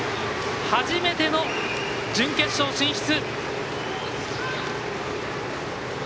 初めての準決勝進出！